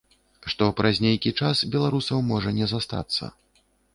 Што праз нейкі час беларусаў можа не застацца.